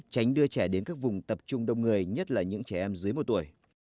tránh đưa trẻ đến các vùng tập trung đông người nhất là những trẻ em dưới một tuổi